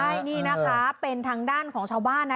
ใช่นี่นะคะเป็นทางด้านของชาวบ้านนะ